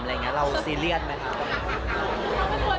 อะไรอย่างเงี้ยเราซีเรียสมั้ยคะ